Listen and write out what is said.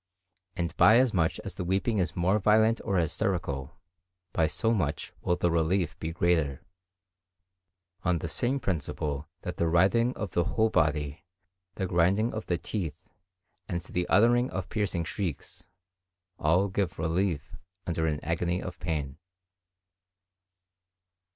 And by as much as the weeping is more violent or hysterical, by so much will the relief be greater,—on the same principle that the writhing of the whole body, the grinding of the teeth, and the uttering of piercing shrieks, all give relief under an agony of pain.